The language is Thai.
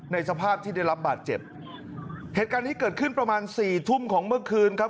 สภาพที่ได้รับบาดเจ็บเหตุการณ์นี้เกิดขึ้นประมาณสี่ทุ่มของเมื่อคืนครับ